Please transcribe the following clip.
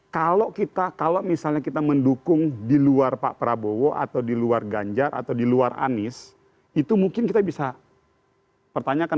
kalau kita kalau misalnya kita mendukung di luar pak prabowo atau di luar ganjar atau di luar anies itu mungkin kita bisa pertanyakan